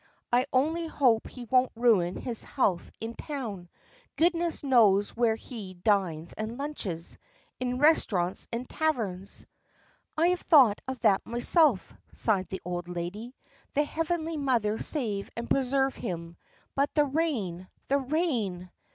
I only hope he won't ruin his health in town. Goodness knows where he dines and lunches. In restaurants and taverns." "I have thought of that myself," sighed the old lady. "The Heavenly Mother save and preserve him. But the rain, the rain!"